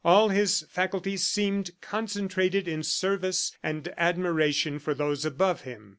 All his faculties seemed concentrated in service and admiration for those above him.